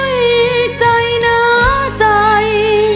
มีใจหน้าใจ